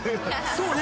そうね。